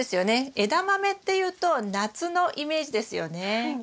エダマメっていうと夏のイメージですよね。